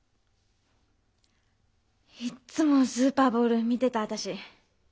いつもスーパーボール見てた私。